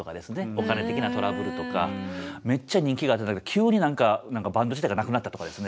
お金的なトラブルとかめっちゃ人気があったんだけど急に何かバンド自体がなくなったとかですね